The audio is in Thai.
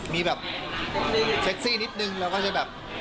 มีแบบเซ็กซี่นิดนึงเราก็จะแบบ